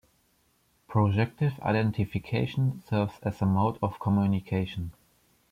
Projective identification serves as a mode of communication.